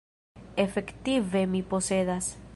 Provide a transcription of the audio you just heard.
Efektive mi posedas.